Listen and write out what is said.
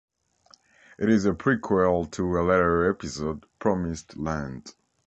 It is a prequel to a later episode, Promised Land.